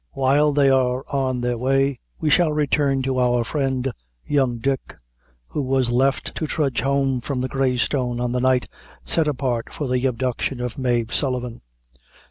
While they are on their way, we shall return to our friend, young Dick, who was left to trudge home from the Grey Stone on the night set apart for the abduction of Mave Sullivan.